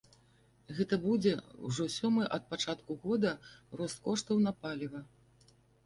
Гэта будзе ўжо сёмы ад пачатку года рост коштаў на паліва.